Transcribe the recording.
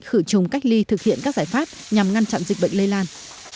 khử trùng cách ly thực hiện các giải pháp nhằm ngăn chặn dịch bệnh lây lan